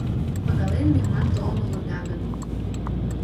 Пагален мемнам толын улыда гын